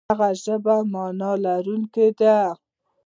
د هغه ژبه معنا لرونکې ده.